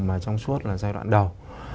mà trong suốt là giai đoạn đầu